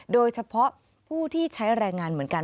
โดยเฉพาะผู้ที่ใช้แรงงานเหมือนกัน